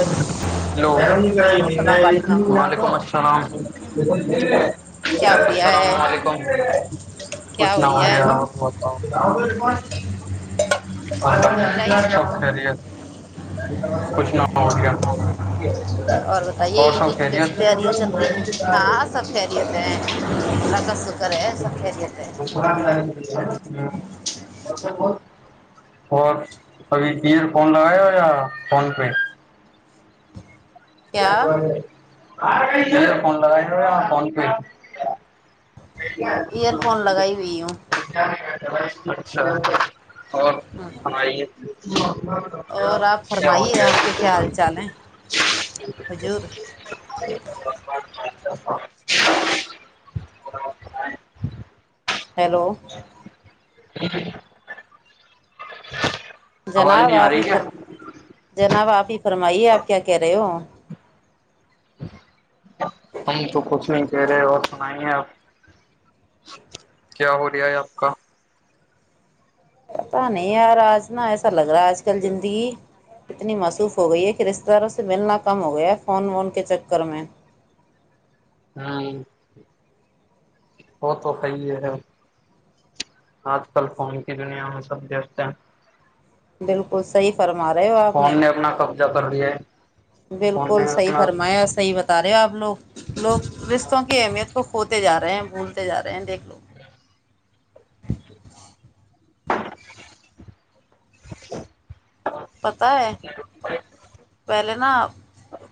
hello السلام علیکم وعلیکم السلام کیا ہو رہا السلام ہے علیکم کیا خوش ہو رہا نام ہے بتا اور روٹی لائی خریت خوش نام اور بتائیے عید سب کی کیسی خیریت پیں چل رہی ہیں ہاں سب خریت ہیں سکر ہے سب خریت ہے اور ابھی ایئر فون لگایا ہو یا فون پہ [unintelligible] پ کیا کو [unintelligible] فون لگائی ہوا فون پہ ایئر فون لگائی ہوئی ہوں [unintelligible] اچھا اور ہوں ہماری یہ جی اور آپ کیا ہو فرمائیے آپ کے کیا حال چال ہیں گ [inaudible] حضور [unintelligible] [unintelligible] ہیلو [unintelligible] [inaudible] آواز جناب نہیں آ رہی آبھی کیا جناب آبھی فرمائیے آپ کیا کہہ رہے ہو ہم تو کچھ نہیں کہہ رہے اور سنائیے آپ کیا ہو رہیا ہے آپ کا پتہ نہیں یار آج ن ایسا لگ رہا ہے آج کل زندگی اتنی مصوف ہو گئی ہے کہ رشتتے داروں سے ملنا کم ہو گیا ہے فون وون کے چکر میں ہوں وہ تو صی ہے آج کل فون کی دنیا میں سب دیکھتے ہیں بالکل صحی فرم س رہے ہو آپ نے کرڑی ہے فون نے بالکل صحی اپنا فرمایا صحیح بتا رہے ہو آپ لوگ لوگ رستتوں کی اہمیت کو ہوتے جا رہے ہیں بھولتےا رہے ہیں دیکھ ہیلو [inaudible] پتا ہے [inaudible] پہلے نا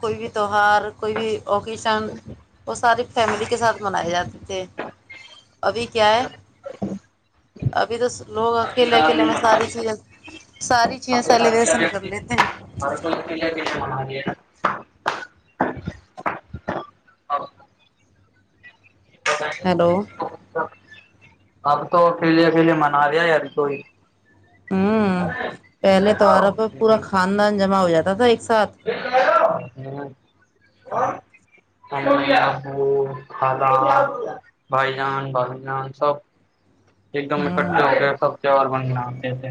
کوئی بھی تیوار کوئی بھی ا کشن وہ ساریے فیملی کے ساتھ منائے جاتے تھے ابھی کیا ہے ابھی تو لوگ اکیلے اکیلا اکیلے آدمی میں بنا ساری لیا چیزیں ساری چیزیں سیلیبریشن کر لیتے ہیں ا [inaudible] ہلو اب تو آکریلیا اکیلے منا رہیا ابھی کوئی ہوں پہلے توہارا پ پورا خاندان جمع ہو جاتا ایک سات بو دادا بھائی جان بائی جان سب ایک دم ہوں اکٹھے ہو گئے سب اور بننا کیسے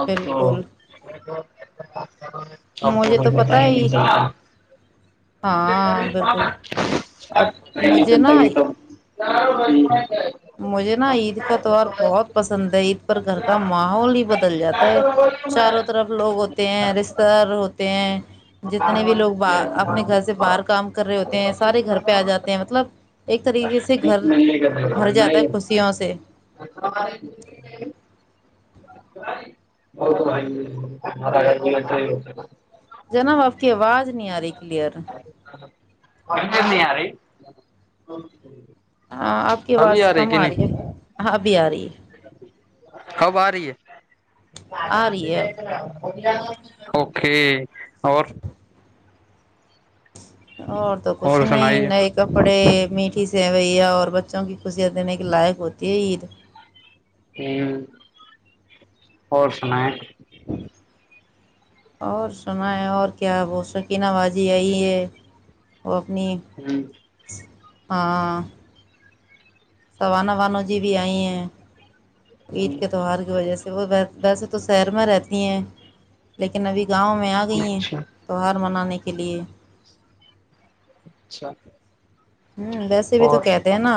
اب تو بالکل اچ [inaudible] سب کو مجھے کو تو پتا ہی نہیںلتالتا ہاں بالکل اب ک مجھے نا سر ب مجھے نا عید کا تہوار بہت پسند ہے عید پر گھر کا ماحول ہی بدل جاتا ہے چاروں طرف لوگ ہوتے ہیں رشتے دار ہوتے ہیں جتنے بھی لوگ ب اپنے گھر سے باہر کام کر رہے ہوتے ہیں سارے گھر پہ آ جاتے ہیں مطلب ایک طریقے سے گھر نہیں کرتے بھر جاتا ہے خوشیوں سے نہیں ا جناب آپ کی آواز نہیں آ رہی کلیئر ک نہیں یارے ہاں آپ کی آواز کم آ رہی ہے ہاں ابھی آ رہی ہے خب آ رہی ہے آ رہی ہے اب [unintelligible] اوکے اور اور تو کچھ نہیں نئے کپڑے میٹھی س ہوئی ہے اور بچوں کی خوشیاں دینے کے لائق ہوتی ہے عید اور سنائیں اور سنا ہے اور کیا وہ شوقین بازی آئی ہے اور اپنی ہ ہاں سوانا وانو جی بھی آئی ہیں عید کے تہوار کی وجہ سے وہ ویسے تو سیر میں رہتی ہیں لیکن ابھی گاؤں میں آ گئی ہیں اچھا تو ہر منانے کے لیے اچھا ہوں ویسے بھی تو اور کہتے ہیں نا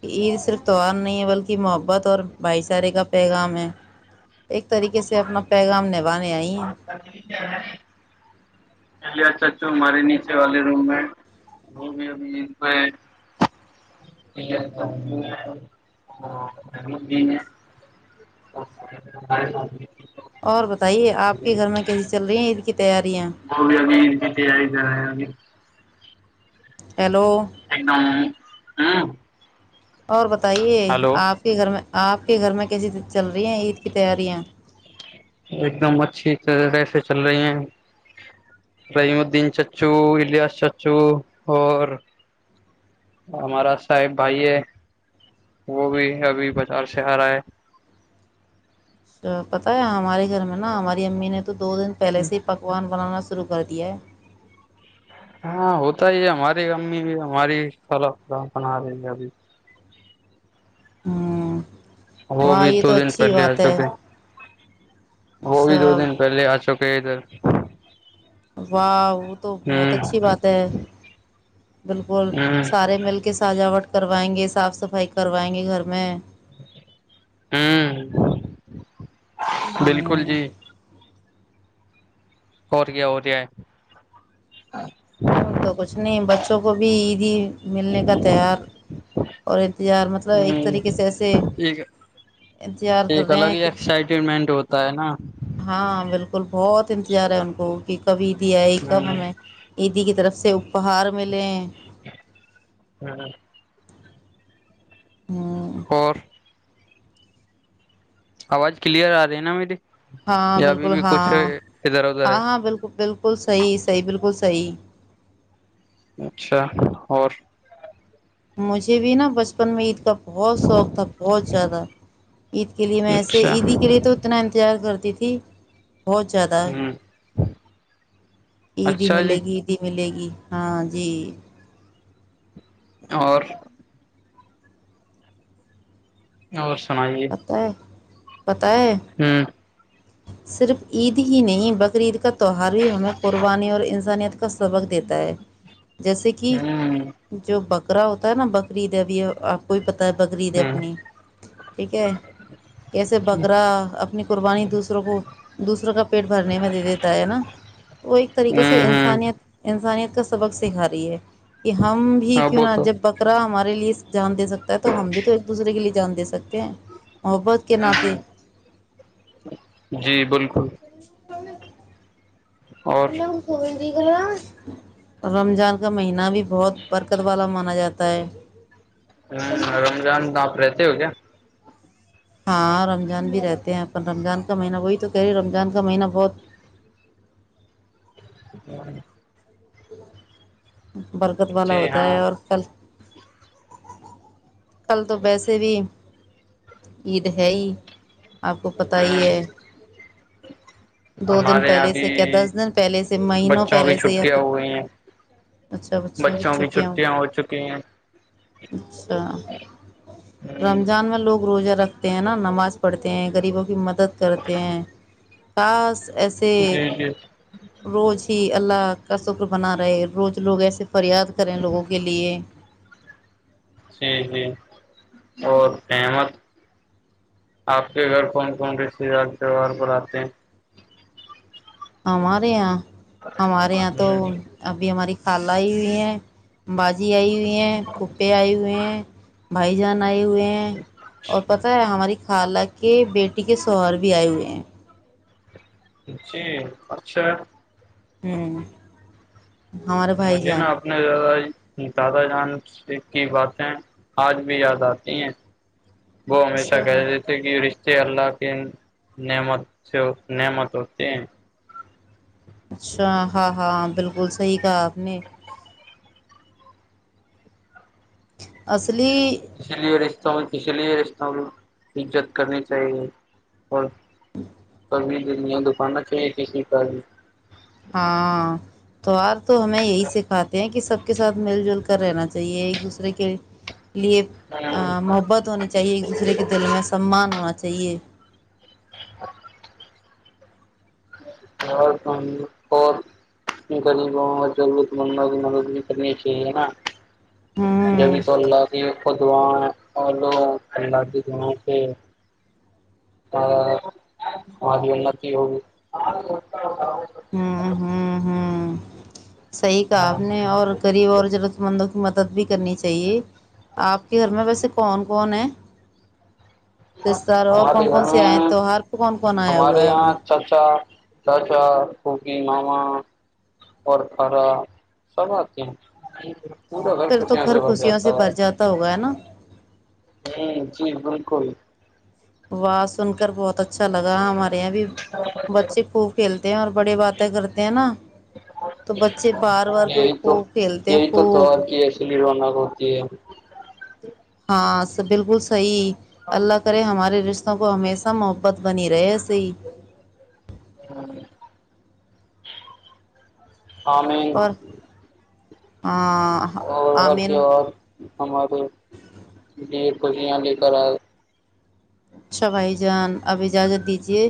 کہ ع صرف توار نہیں ہے بلکہ بہت اور بھائی سارے کا پیغ میں ایک طریقے سے اپنا پیغام نبھانے آئی ہیں ج چچو ہمارے نیچے والے روم میں وہ بھی پہ اور بتائیے آپ کے گھر میں کیسی چل رہی ہیں عید ک گو بھی اب ت ت ہے رہ ہے ہیلو ایک دم ہوں اور بتائیے آپ کے گھر میں آپ کے گھر میں کیسیے چل رہی ہیں عید کی تیاریاں [unintelligible] ایک دم اچھی طرح سے چل رہی ہیں رحیم الدین چچو الیاس چچو اور ہمارا صاحب بھائی ہے وہ بھی ابھی بازار سے آ رہا ہے [unintelligible] تو پتتا ہے ہمارے گھر میں نا ہماری امی نے تو [unintelligible] تو دو دن پہلے سے ہی پکوان بنانا [unintelligible] شرو کر دیا [unintelligible] ہاں ہوتا ہی ہے ہماری امی بھی ہماری سال بنا رہی ہیں ابھی [unintelligible] ہوں [inaudible] وہ واہ بھی یہ دو تو دن اچھی پہلے آ بات ہے چکے [unintelligible] وہ بھی دو اچھا دن پہلے آ چک [unintelligible] پدھر [inaudible] واہ وہ تو بہت اچھی بات ہے بالکل ہوں سارے مل کے سجاوٹ کر [unintelligible] کروائیں گے صاف صفائی کروائیں گے گھر میں [unintelligible] ہوں [inaudible] بالکل ہوں جی [unintelligible] ہوت کیا ہو رہیا ہے [unintelligible] اور تو کچھ نہیں بچوں کو بھی عیدی ملنے کا تیار [unintelligible] اور [inaudible] انتظار مطلب ایک طریقے ہ سے ایسے ایک انتظار کر ایک رہے الگ ہیں ہی کہ ایکسائٹمنٹ ہوتا ہے نا ہاں بالکل [unintelligible] بہت انتظار ہے ان کو کہ کبھی [unintelligible] دیا ہی کب ہ ہمیں [unintelligible] کی طرف سے اپر [unintelligible] اپہار ملیں [unintelligible] ہ ہوں اور [inaudible] آواز کلیئر آ رہی ہے نا میری [unintelligible] ہاں یا ابھی بالکل بھی کچھ ہاں ادھر ادھر ہاں ہے ہاں بالکل بالکل [unintelligible] بالکل صحیح صحی بالکل صحیح [unintelligible] اچھا اور [unintelligible] مجھے بھی نا بس [unintelligible] بچپن میں عید کا بہت شوق تھا بہت زیادہ عید کے لیے میں ایسے اچھا عیدی کے لیے تو اتنا انتظار کرتے [unintelligible] تتھی [unintelligible] بہت زیادہ ہ عید اچھا جی ملے گی عیدی ملے گی [unintelligible] ہاں جی [unintelligible] اور [unintelligible] اور [inaudible] پتا [unintelligible] پتاہ ہے ہ صرف عید ہی نہیں بقرعید کا تہوہار ہمیں قربانی اور انسانیت کا سبق دیتا ہے جیسے کہ ہ جو بک کرا ہوتا ہے نا بکریید ہے ابھی آپ کو بکریید ہ اپنی ٹھیک ہے کیسے بکرا اپنی قربانی دوسری وہ دوسروں کا پیٹ بھرنے میں دے دیتا ہے نا تو وہ ایک طریقے سے ہ ہ انسانیت انسانیت کا سبق سکھا رہی ہے کہ ہم بھی ہاں کیوں وہ نہا تو جب پکرا ہمارا ریلیز جان د سکتا ہے تو ہم بھی تو ایک دوسرے کے لیے جانے سکتے محبت کے ناطے جی بالکل تو اور الل ا ہو گئی رمضان کا مہینہ بھی بہت برکت والا مانا جاتا ہے ہوں رمضان تو آپ رہتے ہو کیا ہاں رمضان بھی رہتے ہیں اپن رمضان کا مہینہ وہی تو کہہ رہی رمضان کا مہینہ بہت ا برکت والا جی ہوتا ہاں ہے اور کل کل تو ویسے بھی عید ہے ہی آپ کو پت ہی ہے دو دن ہمارے یہاں پہلے بھی سے کیا دس دن پہلے سے مہینوں بچوں کی پہلے سے یا چھٹیاں پ ہو گئی ہیں اچھا بچیوں کی چھٹیاں ہو ہ [inaudible] اچھا جی رمضان میں لوگ روزہ رکھتے ہیں نا نماز پڑتے ہیں غریبوں کی مت مدد کرتے ہیں کس ایسے جی روز ہی اللہ کا شکر بنا رہے روز لوگ ایسے فریاد کریں لوگوں کے لیے جی جی اور احمد آپ کے گھر کون کون رسیار تہوار پر آتے ہیں آ م ریاں ہمارے یہاں تو ہیں ابھی ہماری خالا ہی بھی ہیں باز بھجی آئی ہوئی ہیں پھپے آئی ہو ہیں بھائی جان بن ہوئے ہیں اور پتہ ہے ہماری خال کے بیٹی کے سوہر بھی آئے ہوئے ہیں جی اچھا پینن مجھے نا اپنے زیادہ دادہ جان کی باتیں آج بھی یاد آتی ہیں وہ ہمیشہ اچھا کہہ دی تھے کہ ر کیرلا کی نعمت سے نعمت ہوتی ہیں اچھا ہاں ہاں بالکل صحیح کہا آپ نے اس اس اسلی اس لیے رشتوں اسی لیے رش عزت کرنی چاہیے اور ہ د دکان نہ ک ت ہاں توار تو ہمیں یہی سکھاتے ہیں کہ سب کے سھ مل جل کر رہنا چ تو یہ ایک دوسرے کے لیے محبت ہونی چاہیے ایک دوسرے کے دل میں سمان ہونا چاہیے [unintelligible] اور ہم اور غریبوںوں کو ضرورتند کی مدد بھی کرنی چاہیے نا جنی ہوں سولنا نہیں کو دا اور لو الی دائ سے ا مج انتی ہو ہاں ہاں ہاں [unintelligible] صحیح کہا آپ نے اور غریب اور ضرورت مندوں کی مدد بھی کرنی چاہیے آپ کے گھر میں ویسے کون بنے ہمارے گھر میں تہوار پہ کون کون آیا ہمارے ہوا ہے اب یہاں یہ چاچا چاچا کووبی ماما اور کارا سب آتے ہیں پورا گھر ک پھر تو یہاں سے بھر خوشیوں جاتا سے ہے بھر جاتا ہوگا ہے نا ہ چیز ب کوئی باز سن کر بہت اچھا لگا ہمارے یہاں بھی بچے خوب کھیلتے ہیں اور بڑے باتیں کرتے ہیں نا تو بچے بار بار پہ یہی خوب کھیلتے ہیں خوب پیروانہ کو ہوتی ہے [unintelligible] ہاں س بالکل صحیح [unintelligible] اللہ کرے ہمارے رشتوں کو ہمیشہ محبت بنی رہے سےے ہاں [unintelligible] عمین [unintelligible] اور ہاں اور اور آمین تیوار [unintelligible] ہمارے بھیڑ خوشیاں لے کر آئے [unintelligible] اچھا بھائی جان اب اجازت دیجیے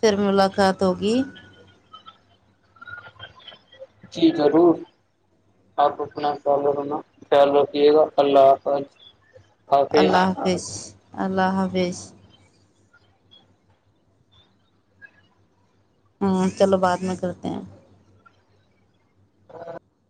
پھر ملاقات ہوگی [unintelligible] جی ضرور آپ اپنا خیال رکھنا خیال رکھیے گا اللہ حافظ [unintelligible] اللہ حافظ اللہ حاظ بیس ہاں چلو بعد میں کرتے ہیں ہاں [unintelligible]